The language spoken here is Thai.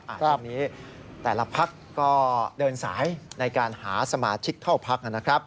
อันนี้แต่ละพักก็เดินสายในการหาสมาชิกเข้าพักนะครับ